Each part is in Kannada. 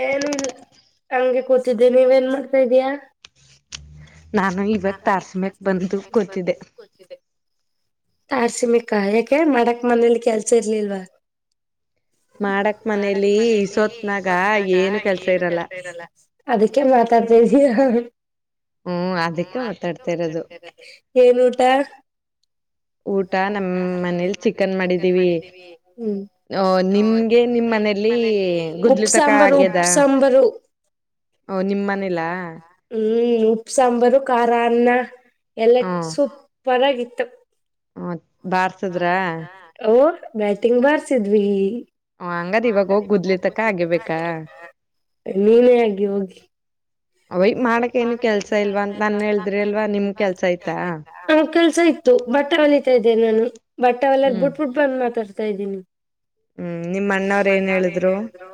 ಏನು ಇಲ್ಲ ಹಂಗೆ ಕೂತಿದ್ದೆ ನೀವೇನ್ ಮಾಡ್ತಾ ಇದೀಯಾ? [unintelligible] ನಾನು ಇವತ್ತ ತಾರಸಮ್ಯಕ್ ಬಂದು ಕೂತಿದ್ದೆ. [unintelligible] ತಾರ್ಸಿಮಿಕ ಕಾಯಾಕೇ ಮಾಡಕ್ ಮನೇಲಿ ಕೆಲಸಾ ಇರ್ಲಿಲ್ವಾ? [unintelligible] ಮಾಡಕ್ ಮನೇಲಿ ಇಸೋತ್ನಾಗ ಏನು ಕೆಲಸಾ ಇರಲ್ಲ? [unintelligible] ಅದಕ್ಕೆ ಮಾತಾಡ್ತಿದೀಯಹ [unintelligible] ಹ್ಮ್ ಹು ಅದಕ್ಕೆ ಆಫೀಸ್ ಮಾತಾಡ್ತಾ ಮತ್ತೆ ಇರೋದು ಬೇರೆದೇ ಏನ್ ಊಟ? [unintelligible] ಊಟ ನಮ್ಮ ಮನೇಲಿ ಚಿಕನ್ ಮಾಡಿದ್ದೀವಿ ಹು [unintelligible] ಓ ನಿಮಗೆ ನಿಮ್ಮ ಮನೇಲಿ [inaudible] ಗುದ್ಲಿ ಉಪ್ಪು ತಕ ಸಾಂಬಾರು ಆಗ್ಯದ ಉಪ್ಪು ಸಾಂಬಾರು [unintelligible] ಓ ನಿಮ್ ಗೋದಿ ಮನೇಲ ಮಾಡಿದ್ದ ಹೂ [unintelligible] ಉಪ್ಪು ಸಾಂಬಾರು ಖಾರ ಅನ್ನ ಎಲ್ಲ ಹ್ಮ ಸೂಪರ್ ಆಗಿತ್ತು. [unintelligible] ಹೂ ಬಾರ್ಸದ್ರ ಬರ್ಸಿದ್ರಾ ಓ ಬ್ಯಾಟಿಂಗ್ ಬಾರಸಿದ್ವಿ. [unintelligible] [inaudible] ಓ ಹಂಗಾದ ಇವಾಗ ಹೋಗಿ ಗುದ್ಲಿತಕ್ಕ ಆಗಿಬೇಕಾ? [unintelligible] ನೀನೇ ಅಗಿ ಹೋಗಿ. ಅವಯ್ [unintelligible] ಓ ಮಾಡಕ್ ಎಕ್ಕ ಮಾಡ್ಕ ಕೆಲ್ಸ ಏನು ಇಲ್ವಾ ಕೆಲಸಾ ಅಂತ ಇಲ್ಲ ನಾನ್ ಹೇಳಿದ್ರಿ ಅಲ್ವಾ [inaudible] ಕೆಲಸಾ ನಿಮ್ ಕೆಲ್ಸ ಇತ್ತ? ಆಯ್ತಾ [unintelligible] ತ್ತು ಬಿಟ್ಟೆ ಹೋಲಿತಾ ಇದ್ದೇ ನಾನು ಬಿಟ್ಟೆಹೊಲಿಯೋದ ಹ್ಮ್ ಬಿಟ್ಟ ಬಟ್ ಬಂದ್ ಮಾತಾಡ್ತಾ ಇದ್ದೀನಿ. [unintelligible] ಹ್ಮ್ ನಿಮ್ ಅಣ್ಣವ್ರ ನಿಮ್ಮ ಅಣ್ಣವರ ಏನ್ ಹೇಳಿದ್ರು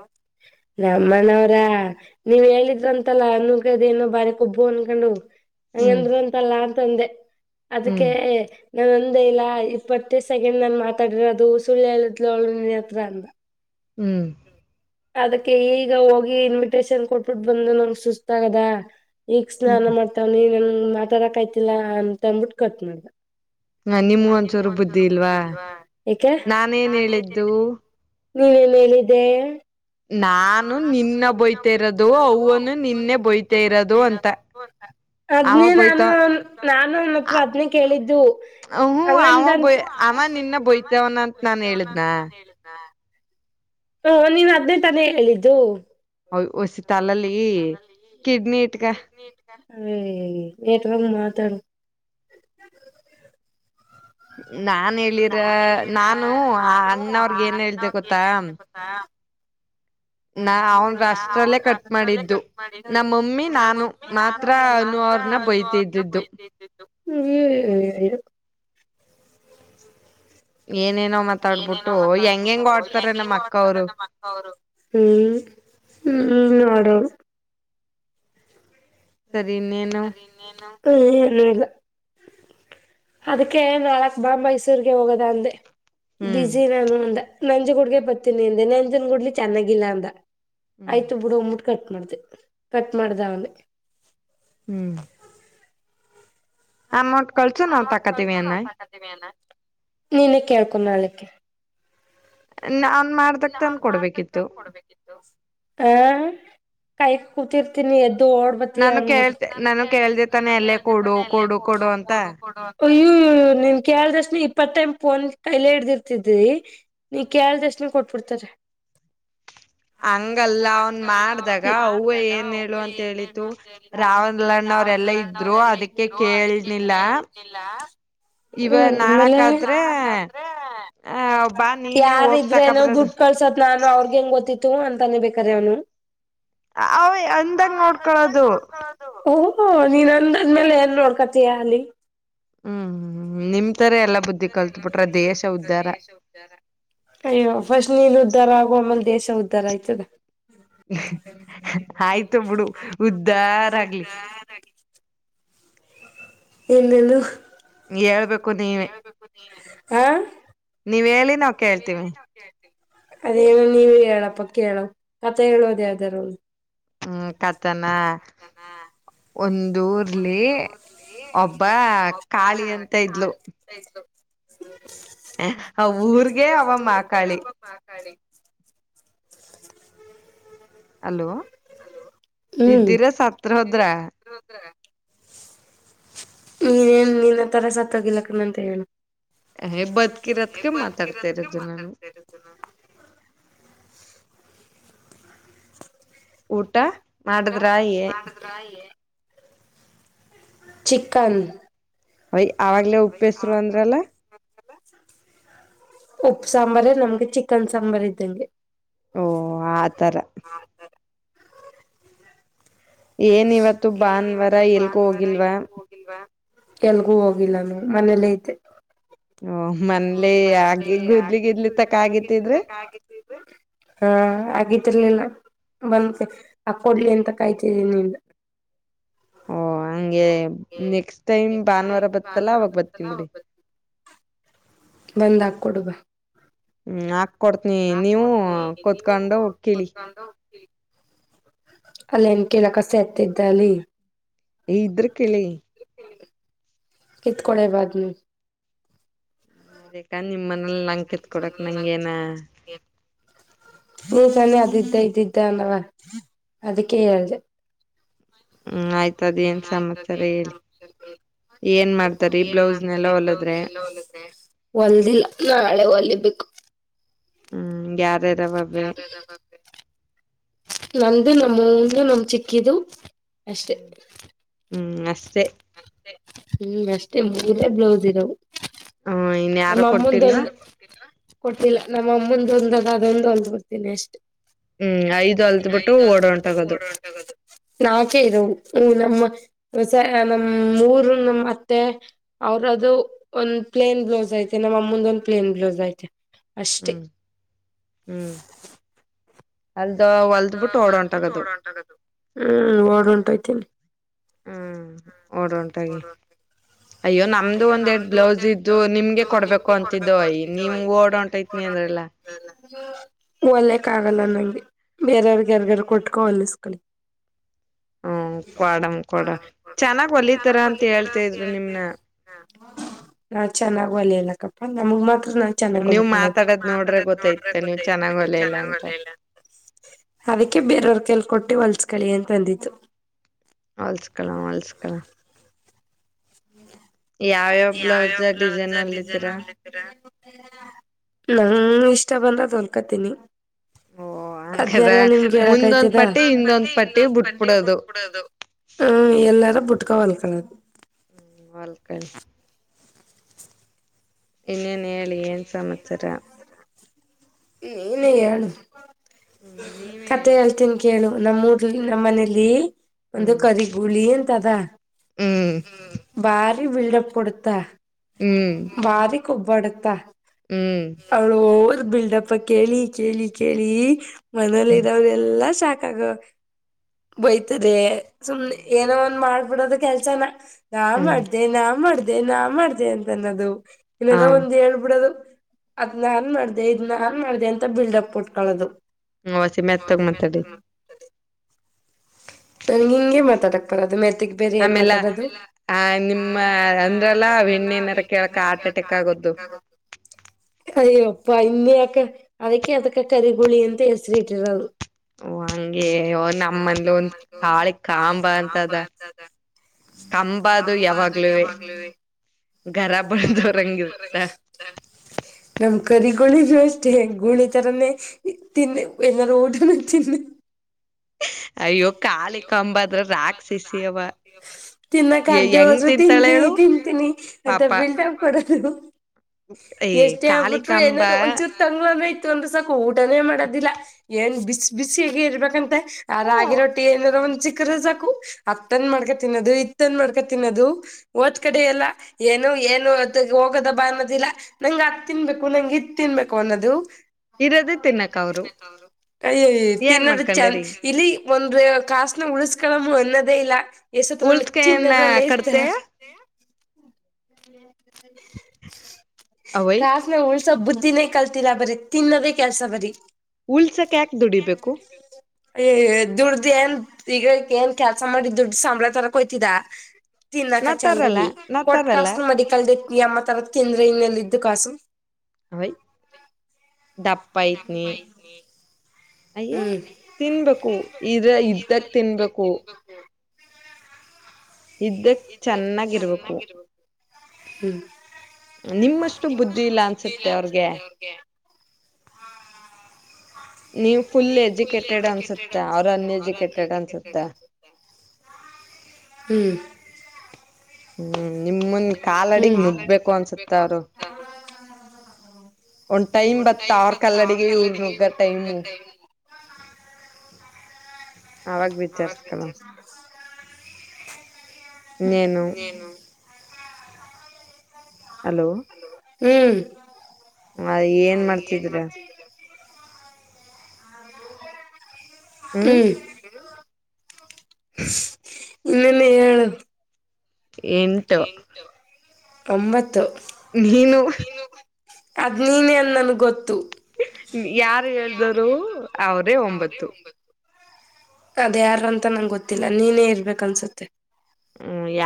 ನಮ್ಮ ಅಣ್ಣವರ [unintelligible] ನೀವ್ ಹೇಳಿದ್ರ ಅಂತಲ್ಲ ಅನ್ನುಗದೇನೋ ಬಾರಿ ಕೊಬ್ಬು ಅನ್ಕೊಂಡು ಹ್ಮ್ ಹಂಗಂದ್ರ ಅಂತಲ್ಲಾ ಅಂತಂದೆ. [unintelligible] ಅದಕ್ಕೆ ಹ್ಮ್ ನಾನ್ ನೊಂದ [unintelligible] ಮಂದೇ ಇಲ್ಲ ಇಪ್ಪತ್ತೇ ಸೆಕೆಂಡ್ ನಾನ್ ಮಾತಾಡಿರೋದು ಸುಳ್ಳು ಹೇಳದಲ್ಲ ಅವಳು ನೀನ್ ಹತ್ರ ಅಂದಲ್ಲ? [unintelligible] ಹೂ [unintelligible] ಅದಕ್ಕೆ ಈಗ ಹೋಗಿ ಇನ್ವಿಟೇಶನ್ ಕೊಟ್ಬಿಟ್ಟು ಬಂದು ನಂಗೆ ಸುಸ್ತ ಆಗದ. ಈಗ್ ಸ್ನಾನ ಹ್ಮ್ ಮಾಡ್ತವ್ನಿ ನನ್ ಮಾತಾಡಕ್ ಆಯ್ತಿಲ್ಲ ಅಂತಂದಬಿಟ್ಟ ಕಟ್ ಮಾಡ್ದ ಹ್ಮ ನಿಮ್ಗ ನ ನಿ [inaudible] ಒಂಚೂರು ಮೂವತ್ ಬುದ್ಧಿ ಸೂರು ಬುದ್ದಿ ಇಲ್ವಾ ನಾನೇನ್ ಹೇಳಿದ್ದು ನಾನನ್. ನೀನೇನ್ ಹೇಳಿದ್ದೆ ನಾನು ನಿನ್ನ ಬಯ್ತಾ ಇರೋದು ಅವನು ನಿನ್ನೆ ಬಯ್ತಾ ಇರೋದು ಅಂತ. ಅವ ಅದ್ನೇ ಬಯ್ತ ನಾನು ನಾನುನ್ನ ಹತ್ರ ಅದ್ನಿ ಕೇಳಿದ್ದು. ಹ್ಮ ಅವ ಬಯ ಅಲ್ಲಂದಂತೂ [inaudible] ಅವ ನಿನ್ನ ಬಯ್ತವನ ಅಂತ ನಾನ್ ನಿನ್ನಯರ್ತೇವನ ಅಂತ ಹೇಳಿದ್ನಾ ನಾನನ್ ಹೇಳಿದ್ದ. ಹ ನೀನ್ ಅದನೇ ತಾನೇ ಹೇಳಿದ್ದು. ಹೊಸಿ ತಲಲ್ಲಿ ಕಿಡ್ನಿ ಇಟ್ಕ [inaudible] ಎತ್ಕೊಂಡ್ ಮಾತಾಡು. [inaudible] ನಾನ್ ಹೇಳಿರ ನಾನು ಹೇಳಿಲ್ಲ ನಾನು ಆ ನಾನು ಅಣ್ಣವ್ರಗ ಏನ್ ಹೇಳ್ದ ಅಣ್ಣಂಗೆ ಗೊತ್ತಾ ಹೇಳ್ದೆ ಗೊತ್ತಾ. ನಾ ಅವನ್ ರಾಷ್ಟ್ರಲ್ಲೇ ಕಟ್ ಮಾಡಿದ್ದು ನಮ್ಮ ಮಮ್ಮಿ ನಾನು ಮಾತ್ರ. ಅವ್ರನ್ನ [inaudible] ಬೈತಿದ್ದಿದ್ದು ಬೈತಾ ಇದ್ದಿದ್ದು ಹ್ಮ [inaudible] ಏ ಏನೇನೋ ಏನೇನ್ ಮಾತಾಡ್ಬಿಟ್ಟು ಮಾತಾ ಹೆಂಗೆಂಗೋ ಆಡ್ತಾರೆ ಹೆಂಗ ನಮ್ಮ್ ಅಕ್ಕ ಮಾಡತದ ಅವರು ನಮ್ಮ ಅಕ್ಕ ಅವರು ಹ್ಮ. ಹ್ಮ್ [unintelligible] ಸರಿ ಇನ್ನೇನು ಏನಿಲ್ಲ ಅದಕ್ಕ ನಾಳೆ ಬಾ ಮೈಸೂರ್ಗೆ ಹೋಗೋದ ಅಂದೆ ಹ್ಮ್ ಬಿಸಿನಾನ ಅಂದ. ನಂಜು ಗುಡ್ಗ ಬತ್ತೀನಿ ಅಂದೆ ನಂಜನ್ ಗುಡ್ಲಿ ಚೆನ್ನಾಗಿಲ್ಲ ಅಂದ ಹ್ಮ್ ಆಯ್ತು ಬಿಡು ಅನ್ಬಿಟ್ ಕಟ್. ಮಾಡ್ದ ಕಟ್ ಮಾಡ್ದ ಅವನೆ. ಹ್ಮ್ ಅಮೌಂಟ್ ಕಳ್ಸು ನಾನು ತಕೋತೀನಿ. ನಿನ್ನೆ ಕೇಳ್ಕು ನಾಳಕ್ಕೆ. ನಾನ್ ಮಾಡ್ದಕ್ ತನ್ ಕೊಡ್ಬೇಕಿತ್ತು. ಹಾ ಕಾಯ ಕೂತಿರ್ತೀನಿ ಎದ್ದು. [inaudible] ಕೇಳ್ತೆ ನಾನು ನಾನು ಕೇಳಿದೆ ಕೇಳ್ದ ತಾನೆ ಅಲ್ಲೇ ಕೊಡು ತಾನೇ ಎಲ್ಲ ಕೊಡು ಅಂತ ಕೊಡು ಕೊಡು. ಅಯ್ಯ ನಿನ್ ಕೇಳ್ದಕ್ಷಣ ಇಪ್ಪತ್ ಟೈಮ್ ಫೋನ್ ಕೈಲೆ ಹಿಡ್ದಿರ್ತಿದಿ. ನಿನ್ ಕೇಳಿದಷ್ಟು ಕೊಟ್ಬಿಡ್ತಾರೆ. ಹಂಗಲ್ಲ ಅವನ್ ಮಾಡ್ದಾಗ ಅವು ಏನ್ ಹೇಳು ಅಂತ ಹೇಳಿತು ರಾವಣ. [inaudible] ಅನ್ನೋವ್ರಲ್ಲಾ ಇದ್ರು ಅದಕ್ಕೆ ಕೇಳನಿಲ್ಲ ಕೇಳ್ತಿಲ್ಲ. ಇವ ಹ್ಮ್ ಆಮೇಲೆ. ನಾಳಕಾದ್ರೆ ಆ ಬಾ ನೀನೇ ಯಾರ ಹೋಗ್ ಇದ್ರೆ ಏನು ತಕಬರದು ದುಡ್ ಕಳ್ಸತ್ ನಾನು ಅವ್ರಗ ಹೆಂಗ್ ಗೊತ್ತಿತ್ತು ಅಂತನ ಬೇಕಿದ್ರೆ ಅವನು. ಅವ ಅಂದಂಗ ಅಂದಾಗ್ ನೋಡ್ಕೊಳೋದು ನೋಡಿಕೊಳ್ಳುವುದು. ಓ ನಿ ಅಂದ್ಮೇಲೆ ಏನ್ ನೋಡ್ಕತಿಯ ಅಲ್ಲಿ. [inaudible] ಹ್ಮ್ ನಿಮ್ ತರ ಎಲ್ಲಾ ಬುದ್ಧಿ ಕಲ್ತ್ ಬಿಟ್ರ ದೇಶ ಉದ್ಧಾರ ದೇಶ ಉದ್ದಾರ. ಅಯ್ಯೋ ಫಸ್ಟ್ ನೀನ ಉದ್ಧಾರ ಆಗು ಆಮೇಲೆ ದೇಶ ಉದ್ಧಾರ ಆಯ್ತದ. ಆಯ್ತು ಬಿಡು ಉದ್ದಾರ ಆಗ್ಲಿ. ಇನ್ನೇನು ಹೇಳ್ಬೇಕು ಹೇಳಬೇಕು ನೀನೆ ನೀವ ಹೇಳಿ ನಾವು ಕೇಳ್ತೀವಿ. ಅದೇನ ನೀವ ಹೇಳಪ್ಪ ಕೇಳ ಕಥೆ ಹೇಳೋದು ಯಾವ್ದಾರ. ಹ್ಮ್ ಕತನ ಒಂದು ಊರ್ಲಿ. ಒಬ್ಬ ಕಾಳಿ ಅಂತ ಇದ್ಲು. ಆ ಊರ್ಗೆ ಅವ ಮಾಕಾಳಿ [inaudible] ಮಾತಾಡಿ. ಅಲೋ ಹ್ಮ್ ಇದ್ದಿರಾ ಸತ್ತ ಹೋದ್ರ. ಏನ್ ನಿನ್ನತರ ಸತ್ತೋಗಿಲ್ಲ ಕಣೋ ಅಂತ ಹೇಳು. ಹೇ ಬದುಕಿರತ್ಕ ಮಾತಾಡ್ತರೋದು ನಾನು. ಹು ಹು [inaudible] ಊಟ ಹೌದ ಊಟ ಮಾಡಿದ್ರ ಏ ಮಾಡದ್ರ. ಚಿಕನ್. ಹೈ ಅವಾಗಲೆ ಉಪ್ಪೆಸರು ಅಂದ್ರಲ್ಲ. ಉಪ್ಪು ಸಾಂಬಾರ್ ನಮ್ಗೆ ಚಿಕನ್ ಸಾಂಬಾರ್ ಇದ್ದಂಗೆ. ಓ ಆ ತರ. ಏನ್ ಇವತ್ತು ಹ್ಮ ಭಾನುವಾರ ಏನಿವತ್ತು ಎಲ್ಗೂ ಭಾನುವಾರ ಹೋಗಿಲ್ವಾ ಎಲ್ಲಿಗು ಹೋಗಿಲ್ವಾ. ಎಲ್ಗೂ ಹೋಗಿಲ್ಲಾನ ಮನೇಲೆ ಇದ್ದೇ. ಓ ಮನ್ಲಿ [unintelligible] ಆಗಿ ಗುದ್ಲಿ ಗಿದ್ಲಿ ತಕ ಆಗಿತಿದ್ರೆ ಹಾ ಆಗತಿರ್ಲಿಲ್ಲ. ಬಂದು ಆ ಕೊಡ್ಲಿ ಎಂತ ಕಾಯ್ತಿದೆ ನಿನ್ದು. ಓ ಹಂಗೆ ನೆಕ್ಸ್ಟ್ ಟೈಮ್ ಭಾನುವಾರ ಬತದಲ್ಲ ಅವಾಗ ಬರ್ತನ್ ಬಿಡಿ. ಬಂದ್ ಹಾಕಕೊಡು ಬಾ. ಹ್ಮ್ ಹಾಕ್ ಕೊಡ್ತನಿ ನೀವು ಕುತ್ಕೊಂಡು ಕಿಳಿ. ಅಲ್ಲ ಎನ್ ಕೀಲಕ ಸೆತ್ತಿದ್ದಅಲ್ಲಿ. ಈ ಇದ್ರ ಕೆಳಿ. ಕತ್ಕೊಳೆ ಬಾದ್ಮ್. ಅದಿಕ ನಿಮ್ಮ ಮನೆಯಲ್ಲಿ ನಂಗ ಕಿತ್ಕೊಡಕ್ ನಂಗೇನ. ನೀ ತಾನೆ ಅದಿತ ಇದಿದ್ದ ಅಂದ್ದವ ಅದಕ್ಕೆ ಹೇಳ್ದೆ. ಹ್ಮ್ ಆಯ್ತದ ಏನ್ ಸಮಾಚಾರ ಹೇಳಿ. ಏನ್ ಮಾಡ್ತಾರಿ ಬ್ಲೌಸ್ನೆಲ್ಲ ಹೊಲದ್ರೆ ಹೊಲ್ದಿಲ್ಲ ನಾಳೆ ಹೊಲಿ ಬೆಕ್ಕು. ಹ್ಮ್ ಯಾರ್ ನಂದು ನಮ್ಮ ಅವ್ವುದು ನಮ್ಮ ಚಿಕ್ಕಿದು. ಅಷ್ಟೇ. ಷ್ಟೆ ಹ್ಮ್ ಅಷ್ಟೇ ಮೂರೇ ಬ್ಲೌಸ್ ಇರವು. ಹ್ಮ್ ಇನ್ ಯಾರು ನಮ್ಮ ಕೊಟ್ಟಿಲ್ವಾ ಅಮ್ಮಂದೊಂದು ಕೊಟ್ಟಿಲ್ಲ ನಮ್ಮ ಅಮ್ಮಂದೋಂದು ಅದ ಅದೊಂದು ವಲ್ದ್ ಬಿಡ್ತೀನಿ ಅಷ್ಟೇ. ಹ್ಮ್ ಐದು ಅಲ್ತ್ಬಿಟ್ಟು ಓಡ ಹೊಂಟೋಗೋದು ನಾಕೆ ಇರವು. ಹ್ಮ ನಮ್ಮ ಹೊಸ ನಮ್ಮ್ ಊರು ನಮ್ಮ್ ಅತ್ತೆ ಅವರದು ಒ ಪ್ಲೇನ್ ಬ್ಲೌಸ್ ಐತೆ ನಮ್ಮ ಅಮ್ಮಂದು ಒಂದು ಪ್ಲೇನ್ ಬ್ಲೌಸ್ ಹೈತೆ. ಹ್ಮ್ ಹ್ಮ್ ಅಲ್ದ ಹೊಲ್ದ್ ಬಿಟ್ಟು ಹ್ಮ್ ಓಡೊಂಟಾಗದು ಓಡ್ ಹೊರಟೋಯ್ತೀನಿ. ಹ್ಮ್ ಓಡ ಒಂಟೊಗಿ. ಅಯ್ಯೋ ನಮ್ದು ಒಂದೊರೆಡ ಬ್ಲೌಸ್ ಇದ್ದು ನಿಮ್ಗೆ ಕೊಡ್ಬೇಕು ಅಂತಿದ್ದೊ ಅಯ ನಿಮ್ ಓಡ ಉಂಟೈತ್ನಿ ಅಂದ್ [unintelligible] ಲ್ಲ ಹೊಲಿಯಕ್ಕೆ ಆಗಲ್ಲ ನಂಗೆ ಬೇರರ್ಗೆ ಯಾರ್ಗಾರ್ ಕೊಟ್ಕೊ ಹೊಲಸ್ಕಳಿ. ಹ್ಮ ಕೊಡಮ್ ಕೊಡ ಚೆನ್ನಾಗ್ ಹೊಲಿತರ ಅಂತ ಹೇಳ್ತಾ ಇದ್ರು ನಿಮ್ ನಾ ಚೆನ್ನಾಗ ವಲಿಯಲ್ಲ ಕಪ್ಪ ನಮಗ್ ಮಾತ್ ನಾ ಚೆನ್ನಾಗ್ ನೀವ್ ವಲ್ಕೊಳೋದು ನೀವು ಮಾತಾಡದ್ ನೋಡ್ರೆ ಮಾತಾಡೋದ್ ನೋಡುದ್ರೆ ಗೊತ್ತೈತೆ ನೀವ್ ಗೊತ್ತಾಗ್ತೈತೆ ಚೆನ್ನಾಗ್ ನೀವು ಹೊಲಿಯಲ್ಲ ಚೆನ್ನಾಗಿ ಅಂತ ಒಲಿಯಲ್ಲ ಅಂತ. ಅದಕ್ಕೆ ಬೇರೆಯವರ್ ಕೈಲಿ ಕೊಟ್ಟು ಹೊಲ್ಸ್ಕಳಿ ಅಂತಂದಿತ್ತು. ವಲಸ್ಕೊಳವ ಹೊಲ್ಸಕಳ ಯಾವ್ಯಾವ ಯಾವ ಯಾವ ಬ್ಲೌಸ್ ಡಿಸೈನ್ ಡಿಸೈನ್ ಹೊಲಿತೀರಾ ಹೊಲ್ದಿದ್ದೀರಾ. ನಮಗೆ ಇಷ್ಟ ಬಂದದ್ದು ಹೊಲ್ಕತೀನಿ. ಓ ಹಂಗಾರ ಅದಲ್ಲ ನಿಮಗೆ ಮುಂದೊಂದ್ ಹೇಳಕ್ಕಾಯ್ತದ. ಪಟ್ಟಿ ಹಿಂದೊಂದ್ ಪಟ್ಟಿ ಬಿಟ್ಬಿಡೋದು ಹ್ಮ ಎಲ್ಲಾರು ಬಿಟ್ಕೊಂಡ್ ವಲಕಳದು. ಹ್ಮ ವಾಲ್ಕಳಿ. ಇನ್ನೆನ್ ಹೇಳಿ ಏನ್ ಸಮಚಾರ. ನೀನು ಹೇಳು ಹ್ಮ್ ನೀವೇ ಕತೆ ಹೇಳಿ ಹೇಳ್ತೀನಿ ಕೇಳು. ನಮ್ಮ್ ಊದಲಿ ನಮ್ಮ್ ಮನೆಲಿ. ಒಂದು ಹ್ಮ್ ಕರಿ ಹುಳಿ ಎಂತದ ಹ್ಮ್ ಬಾರ್ [unintelligible] ರಿ ಬಿಲ್ಡಪ್ ಕೊಡುತ್ತಾ ಹ್ಮ್ ಭಾರಿ ಕೊಬ್ಬಡುತ್ತಾ. ಹ್ಮ್ ಅವಳ್ ಓವರ್ ಬಿಲ್ಡಪ್ಪ ಕೇಳಿ ಕೇಳಿ ಕೇಳಿ. ಮನಲಿ ಹ್ಮ್ ಇದಾವ್ರ ಎಲ್ಲಾ ಶಾಕ್ಾಗ ಬಯತದೆ ಸುಮ್ನೆ ಏನೋ ಒಂದ್ ಮಾಡ್ಬಿಡೋದು ಕೆಲ್ಸನ ನಾ ಹ್ಮ್ ಮಾಡ್ದ ನಾನ್ ಮಾಡ್ದ ಅದೇ ನಾ ಮಾಡ್್ದ ಅಂತ ಅನ್ನೋದು ಇನ್ನಾರ ಹ ಒಂದ್ ಹೇಳ್ಬಿಡೋದು ಅದ್ನ ಹನ್ ಮಾಡ್ದ ಇದ್ನ್ನ ಹಾನ್ ಮಾಡ್ದ ಅಂತ ಬಿಲ್ಡಪ್ ಉಟ್ಕಳೋದು ಹ ವಸಿಮೆತ್ ತಗ ಮಾತಾಡಿ ನನ್ಗೆ ಹಿಂಗೆ ಮಾತಡಕ್ ಬರದು ಮೆರ್ತಿಗೆ ಬೇರೆ ಏನ್ ಆಮೇಲೆ ಮಾತಾಡೋದು ಆ ನಿಮ್ಮ ಅಂದ್ರಲ್ಲ ಎಣ್ಣೆನಾರ ಕೇಳಕ್ ಹಾರ್ಟ್ ಅಟ್ಯಾಕ್ ಆಗೋದು ಅಯ್ಯವಪ್ಪಾ ಇನ್ ಯಕ ಅದಕ್ಕೆ ಅದಕ್ಕ ಕರಿಗುಳಿ ಅಂತ ಹೆಸರಿ ಇಟ್ಟರ ಅವರು ಹಂಗೆ ನಮ್ಮಂದ ಒಂದ ತಾಳಿ ಕಂಬ ಅಂತದ ಕಂಬ ಕಮ್ಮ ಬತ ಕ ಭಾಗಲವೆ ಗರಬಳ್ದೋರಂಗಿರುತ್ತ ನಮ್ ಕರಿ ಗುಳಿದ ಅಷ್ಟೇ ಗುಳಿ ತರಾನೇ ತಿನ್ನ ಏನಾದಾರೂ ಅಯ್ಯೋ ಕಾಲ ತಿನ್ನಕ್್ದೇ ಹೆಂಗ್ ಹದ್ರರು ತಿಂತಾಳ ತಿಂತೀನಿ ಹೇಳು ತಿಂತೀನಿ ಮತ್ತೆ ಪಾಪ ಬಿಲ್ಟ ಕೊಡದು ಏ ಎಷ್ಟೇ ಕಾಳಿ ಆಬಿಟ್ರು ಕಂಬ ಏನಾದರು ಒಚೂ ತ ಇತು ಒಂದ್ ಸಾಕ ಊಟನೇ ಮಾಡೋದಿಲ್ಲ ಏನ್ ಬಿಸಿ ಬಿಸಿಗೆ ಇರ್ಬೇಕಂತ ಆ ಹ್ಮ ರಾಗಿಿ ರೊಟ್ಟಿ ಎಏನು ಚಿಕ್ಕರು ಸಾಕು ಅಂದ ಮಾಡ್ಕ ತಿನ್ನೋದು ಇತ್ತಂದ ಮಾಡ್ಕ ತಿನ್ನೋದು ಒ ಕಡೆ ಎಲ್ಲ ಏನು ಏನು ಅ ಹೋಗದಬಾ ಅನ್ನೋದಿಲ್ಲ ನಂಗ್ ಅತ್ ತಿನ್ಬೇಕು ನಂಗ್ ಇತ್ ತಿನ್ಬೇಕು ಅನ್ನೋದು ಇರೋದೇ ತಿನ್ನಕ್ ಅವರು ಅಯ್ಯ ಏನ್ ತಿನ್ನದ ಚಂದ ಮಾಡ್ಕೊಂಡೇರಿ ಇಲ್ಲಿ ಒಂದ್ರ ಕಾಸ್ನ ಉಳಸ್ಕಳಮ್ಮ ಅನ್ನದೇ ಇಲ್ಲ ಎಸತ್ರಲ್ಲ ಉಳ್ಸ್ಕನ ಚನ್ನದ್ರಲ್ಲ ಇಷ್ಟ ಕಡ್ತೆ ಎ ಅವಯ್ ಕಾಸನ ಉಳ್ಸ ಬುದ್ಧಿನೇ ಕಲ್ತಿಲ್ಲ ಬರೀ ತಿನ್ನೋದೇ ಕೆಲ್ಸ ಬರರಿ ಉಲ್ಸಕ್ಯಾಕೆ ದುಡಿಬೇಕು ಏ ದುಡ್ದ ಏನ್ ಈಗ ಏನ್ ಕೆಲ್ಸ ಮಾಡಿ ದುಡ್್ದ ಸಂಬಳ ತರಕ್ ಹಯ್ತಿದ ತಿನ್ನಾಕ ನಾ ತರಲ್ಲ ಚೆಂದಾಗಿ ನಾ ಕೊಟ್ಟ ತರಲ್ಲ ಕಾಸಲು ಮಡಿಕಲ್ದ ಅಮ್ಮ ತರದ ತಿಂದ್ರ ಇನ್ನೆಲ್ಲ ಇದ್ದು ಕಾಸು ಅವಯ ದಪ್ಪ ಐತ್ನ ಅಯ್ಯ ಹ್ಮ್ ತಿನ್ಬೇಕು ಇದ ಇದ್ದಾಗ ತಿನ್ಬೇಕು ಇದ್ದಕ್ ಚೆನ್ನಾಗಿರ್ಬೇಕು ಚೆನ್ನಾಗಿರ್ಬ ಹ್ಮ್ ನಿಮ್ಮಷ್ಟು ನಿಮಷ್ಟು ಬುದ್ಧಿ ಇಲ್ಲ ಅನ್ಸುತ್ತೆ ಅಸ ಅವ್ರಗೆ ಅವ್ರಿಗೆ ಹ ನೀವು ಫುಲ್ ಎಜುಕೇಟೆಡ್ ಅನ್ಸುತ್ತ ಅವರು ಅನ್ ಎಜುಕೇಟೆಡ್ ಅನ್ಸುತ್ತ ಹ್ಮ್ ಹ್ಮ್ ನಿಮ್ಮನ್ ಕಾಲಡಿಗ್ ನುಗ್ಬೇಕು ಅನ್ಸುತ್ತ ಕಾಲಡಬೇಕು ಅವ್ರು ಅನ್ಸುತ್ತಾ ಒಂದ್ ಟೈಮ್ ಹೊಟ ಬತ್ತ ಅವ್ರ ಕಾಲಡಿಗೆ ಇವ್ರ ಇಪ್ಪತ್ತಾಂಗಲ್ಲಡಿಗೆ ನುಗ್ಗ ಟೈಮು ಬೆಟ ಅವಾಗ ವಿಚಾರ್ಸ್ಕಣ ಹ ಇನ್ನೇನು ೇನು ಹಲೋ ಹ್ಮ್ ಹ ಏನ್ ಮಾಡ್ತಿದಿ್ರ ಹ್ಮ ಇನ್ನ ಮೇಳ ಎಂಟು ಒಂಬತ್ತು ನೀನು ಅದ್ ನೀನ ಅಂದ ನನ್ಗೆ ಗೊತ್ತು ಯಾರ ಹೇಳ್ದರು ಅವ್ರೇ ಒಂಬತ್ತು ಅದ್ಯಾರಂತ ನಂ ಗೊತ್ತಿಲ್ಲ ನೀನೇ ಇರ್ಬೇಕನ್ಸುತ್ತೆ ಹ್ಮ್ ಯಾ